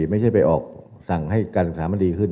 ไม่ใช่ไปออกสั่งให้การศึกษามันดีขึ้น